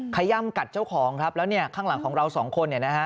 ขยัมกัดเจ้าของแล้วข้างหลังของเรา๒คน